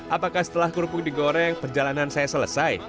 apakah setelah kerupuk digoreng perjalanan saya selesai